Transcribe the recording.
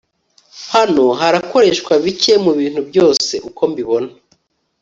Hano harakoreshwa bike mubintu byose uko mbibona